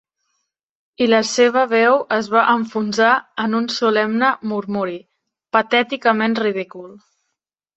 I la seva veu es va enfonsar en un solemne murmuri, patèticament ridícul.